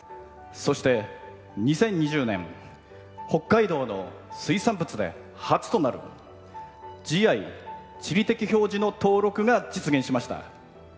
そして２０２０年北海道の水産物で初となるＧＩ＝地理的表示の登録が実現しました。